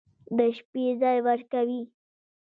د شپې ځاى وركوي.